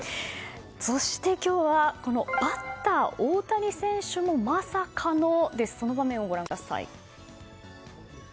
そして、今日はバッター大谷選手もまさかのその場面をご覧ください。